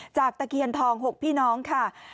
ตะเคียนทอง๖พี่น้องค่ะ